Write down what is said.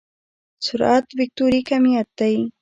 سرعت وکتوري کميت دی.